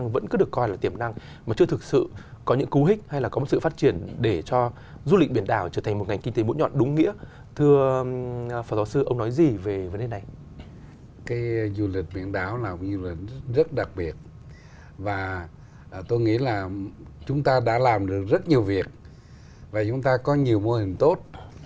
và tôi nghĩ là chúng ta đã làm được rất nhiều việc và chúng ta có nhiều mô hình tốt